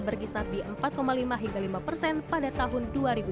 berkisar di empat lima hingga lima persen pada tahun dua ribu dua puluh